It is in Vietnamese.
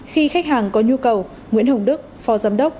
khi khách hàng có nhu cầu nguyễn hồng đức phó giám đốc